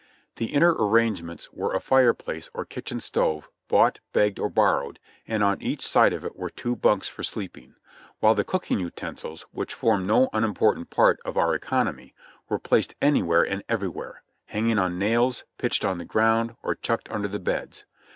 The inner arrangements were a fire place or kitchen stove bought, begged or borrowed, and on each side of it were two bunks for sleeping, while the cooking utensils, which formed no unimportant part of our economy, were placed anywhere and everywhere, hanging on nails, pitched on the ground, or chucked under the beds.